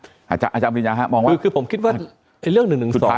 อ่าอาจจะอาจจะบิญญาณฮะมองว่าคือคือผมคิดว่าเรื่องหนึ่งหนึ่งสอง